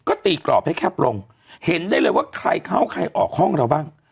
ก็ตีกรอบให้แคบลงเห็นได้เลยว่าใครเข้าใครออกห้องเราบ้าง